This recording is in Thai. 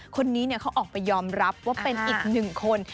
คนนี้เขาออกไปยอมรับว่าเป็นอีกหนึ่งคน